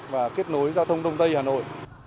và kết nối giao thông đông tây hà nội